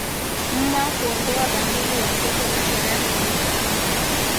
Mma huondoa bangili ya mtoto na sherehe huisha